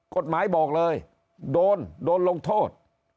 กฎหมายบอกเลยโดนโดนลงโทษ